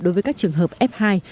đối với các trường hợp f hai